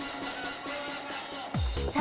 さあ